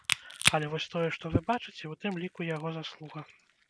Але вось тое, што вы бачыце, у тым ліку яго заслуга.